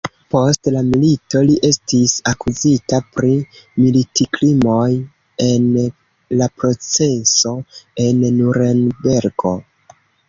Post la milito li estis akuzita pri militkrimoj en la proceso en Nurenbergo.